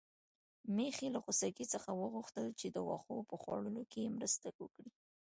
میښې له خوسکي څخه وغوښتل چې د واښو په خوړلو کې مرسته وکړي.